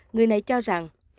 người này cho rằng